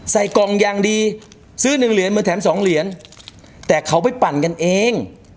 ใส่กล่องยังดีซื้อ๑เหรียญเมื่อแถม๒เหรียญแต่เขาไปปั่นกันเอง